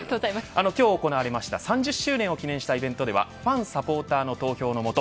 今日行われた３０周年を記念したイベントではファン、サポーターの投票のもと